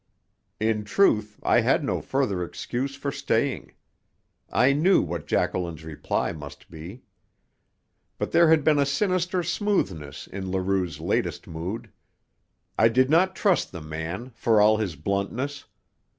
In truth, I had no further excuse for staying. I knew what Jacqueline's reply must be. But there had been a sinister smoothness in Leroux's latest mood. I did not trust the man, for all his bluntness.